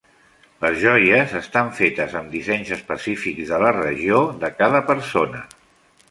Les joies estan fetes amb dissenys específics de la regió de cada persona.